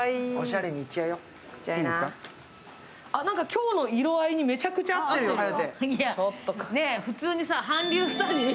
今日の色合いにめちゃくちゃ合ってるよ。